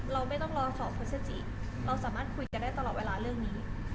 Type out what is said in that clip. เราไม่ต้องรอ๒พฤศจิเราสามารถคุยกันได้ตลอดเวลาเรื่องนี้